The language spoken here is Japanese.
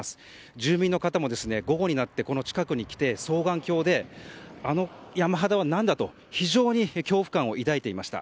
住民の方も午後になってこの近くに来て双眼鏡であの山肌は何だと非常に恐怖感を抱いていました。